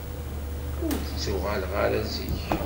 Ur d-ttuɣaleɣ ara zik.